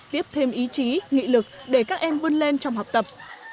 tiếp thêm ý chí nghị lực để các em vươn lên trong học tập